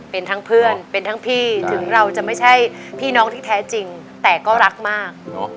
เป็นทั้งเพื่อนเป็นทั้งพี่ถึงเราจะไม่ใช่พี่น้องที่แท้จริงแต่ก็รักมาก